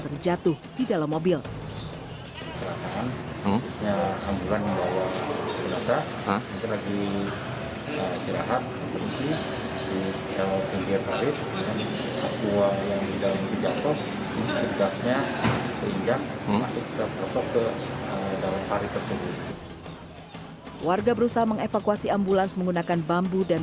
terjatuh di dalam mobil warga berusaha mengevakuasi ambulans menggunakan bambu dan